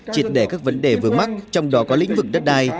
triệt để các vấn đề vướng mắt trong đó có lĩnh vực đất đai